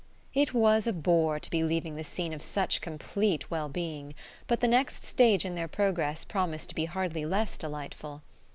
It was a bore to be leaving the scene of such complete well being, but the next stage in their progress promised to be hardly less delightful.